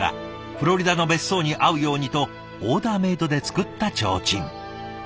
フロリダの別荘に合うようにとオーダーメードで作った提灯。